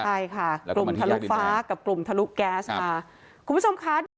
ใช่ค่ะกลุ่มทะลุฟ้ากับกลุ่มทะลุแก๊สค่ะ